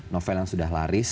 novel yang sudah laris